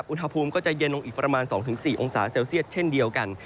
อุณหภูมิก็จะเย็นลงอีกประมาณ๒๔องศาเซลเซียตเช่นเดียวกัน